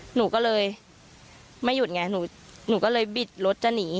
หนูก็เลยไม่หยุดไงหนูก็เลยบิดรถจะหนี